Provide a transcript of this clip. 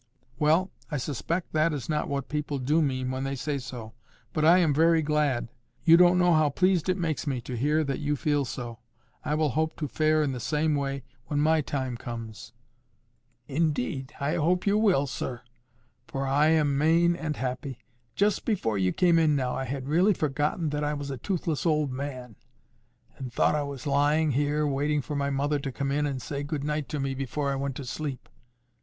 "Well, I suspect that is not what people do mean when they say so. But I am very glad—you don't know how pleased it makes me to hear that you feel so. I will hope to fare in the same way when my time comes." "Indeed, I hope you will, sir; for I am main and happy. Just before you came in now, I had really forgotten that I was a toothless old man, and thought I was lying here waiting for my mother to come in and say good night to me before I went to sleep.